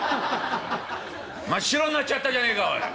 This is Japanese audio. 真っ白になっちゃったじゃねえかおい。